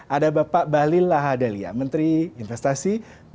ada bapak balil lahadalia menteri investasi